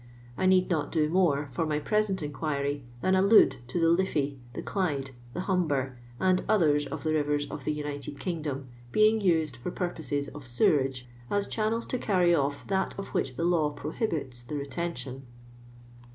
I neeil not do more, for my present inquiry, than allude to the Lilly, the Clyde, the II umber, and others of the rivers of the United Kingdom, being used lor purposes of sewerage, as channels to carry oif that of which the law prohibits the retention.